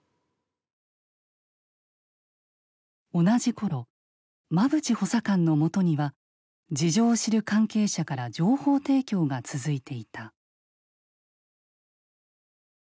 同じ頃馬淵補佐官のもとには事情を知る関係者から情報提供が続いていた。